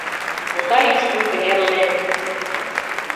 Пота ӱштым кынерлен